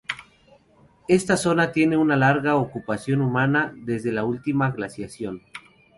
Esta zona tiene una larga ocupación humana desde la última glaciación.